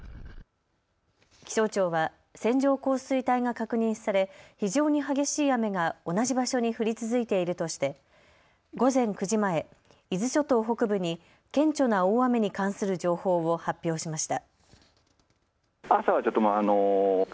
気象庁は線状降水帯が確認され非常に激しい雨が同じ場所に降り続いているとして午前９時前、伊豆諸島北部に顕著な大雨に関する情報を発表しました。